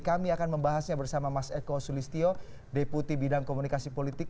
kami akan membahasnya bersama mas eko sulistio deputi bidang komunikasi politik